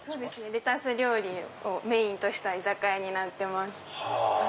レタス料理をメインとした居酒屋になってます。